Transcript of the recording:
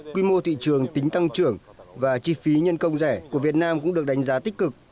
quy mô thị trường tính tăng trưởng và chi phí nhân công rẻ của việt nam cũng được đánh giá tích cực